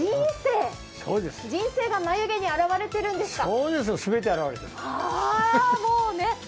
人生が眉毛に現れてるんですか。